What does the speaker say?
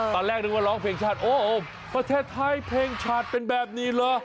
ตอนแรกนึกว่าร้องเพลงชาติโอ้ประเทศไทยเพลงชาติเป็นแบบนี้เหรอ